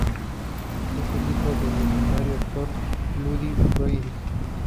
Es hijo del legendario actor Lloyd Bridges.